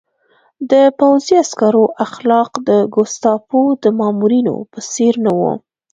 د پوځي عسکرو اخلاق د ګوستاپو د مامورینو په څېر نه وو